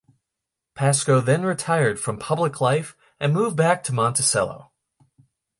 Pasco then retired from public life and moved back to Monticello.